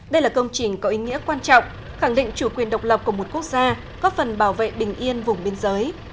đây là công trình có ý nghĩa quan trọng khẳng định chủ quyền độc lập của một quốc gia góp phần bảo vệ bình yên vùng biên giới